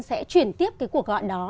sẽ chuyển tiếp cuộc gọi đó